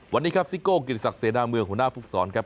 วันนี้ครับซิโก้กิติศักดิเสนาเมืองหัวหน้าภูมิสอนครับ